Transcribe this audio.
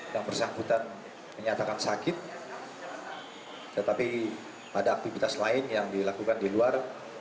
yang bersangkutan menyatakan sakit tetapi ada aktivitas lain yang dilakukan di luar